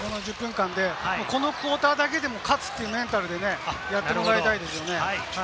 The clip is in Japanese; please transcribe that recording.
このクオーターだけでも勝つというメンタルでやってもらいたいですよね。